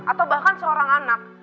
atau bahkan seorang anak